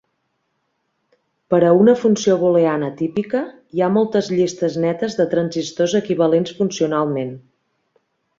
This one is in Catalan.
Per a una funció booleana típica, hi ha moltes llistes netes de transistors equivalents funcionalment.